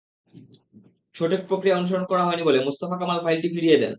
সঠিক প্রক্রিয়া অনুসরণ করা হয়নি বলে মুস্তফা কামাল ফাইলটি ফিরিয়ে দেন।